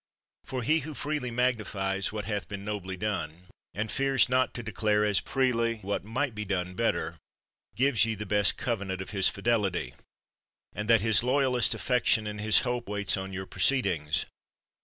For he who freely magnifies what hath been nobly done, and fears not to declare as freely what might be done better, gives ye the best cove nant of his fidelity; and that his loyalest affec tion and his hope waits on your proceedings.